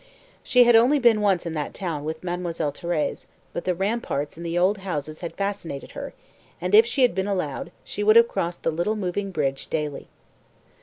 She had only been once in that town with Mademoiselle Thérèse, but the ramparts and the old houses had fascinated her, and if she had been allowed, she would have crossed the little moving bridge daily.